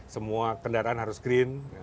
semua kendaraan harus green